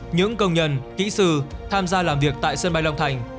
những công nhân kỹ sư tham gia làm việc tại sân bay long thành